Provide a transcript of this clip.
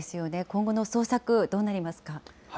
今後の捜索、どうなりますか。